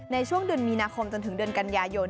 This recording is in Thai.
ในช่วงเดือนมีนาคมจนถึงเดือนกันยายน